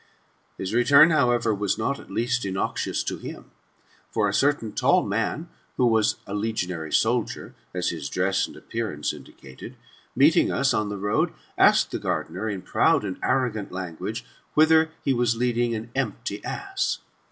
His return, however, was not, at least, innoxious to him. For a certain tall man, and who was a legionary soldier, as his dress and appearance indicated, meeting us on the road, asked the gardener, in proud and arrogant language, Whither he was leading an empty ass?